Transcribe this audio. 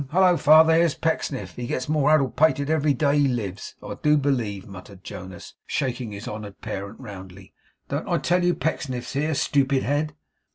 Hallo father, here's Pecksniff! He gets more addle pated every day he lives, I do believe,' muttered Jonas, shaking his honoured parent roundly. 'Don't I tell you Pecksniff's here, stupid head?